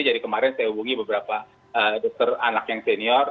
jadi kemarin saya hubungi beberapa dokter anak yang senior